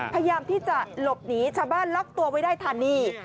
พยายามที่จะหลบหนีชาวบ้านล็อกตัวไว้ได้ทันนี่